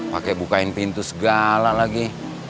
pakai bukain pintu segala lagi